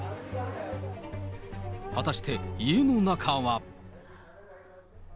果たして家の中は。